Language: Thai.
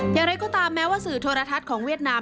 อย่างไรก็ตามแม้ว่าสื่อโทรทัศน์ของเวียดนาม